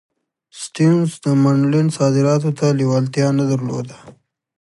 سټیونز د منډلینډ صادراتو ته لېوالتیا نه درلوده.